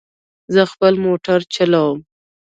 زه خپل موټر چلوم